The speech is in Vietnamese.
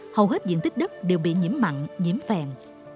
hầu hết diện tích đất đều bị nhiễm mặn nhiễm phèn